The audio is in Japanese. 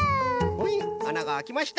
ほいあながあきました。